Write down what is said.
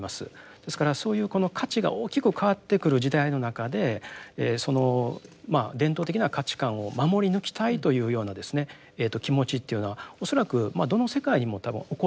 ですからそういうこの価値が大きく変わってくる時代の中でその伝統的な価値観を守り抜きたいというような気持ちというのは恐らくどの世界にも多分起こりうるということですよね。